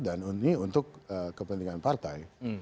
dan ini untuk kepentingan partai